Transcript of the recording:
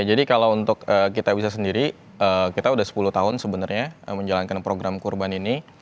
jadi kalau untuk kitabisa sendiri kita udah sepuluh tahun sebenarnya menjalankan program kurban ini